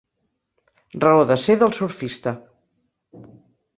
Raó de ser del surfista.